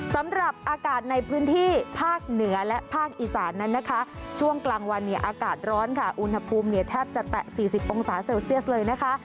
สำหรับอากาศในพื้นที่ภาคเหนือและภาคอีสานนั้นนะคะช่วงกลางวันเนี่ยอากาศร้อนค่ะอุณหภูมิเนี่ยแทบจะแตะ๔๐องศาเซลเซียสเลยนะคะ